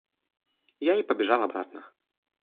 Я и побежал обратно.